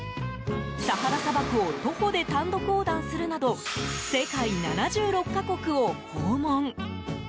サハラ砂漠を徒歩で単独横断するなど世界７６か国を訪問。